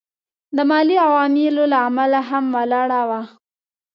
د مالي عواملو له امله هم ولاړه وه.